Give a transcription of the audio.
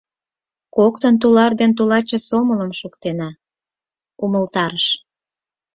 «Коктын тулар ден тулаче сомылым шуктена», — умылтарыш.